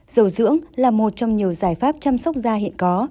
dầu dưỡng là một trong nhiều giải pháp chăm sóc da hiện có